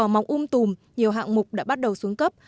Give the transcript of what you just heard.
mọc um tùm nhiều hạng mục đã bắt đầu xuống cấp